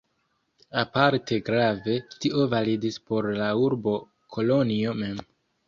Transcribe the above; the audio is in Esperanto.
Aparte grave, tio validis por la urbo Kolonjo mem.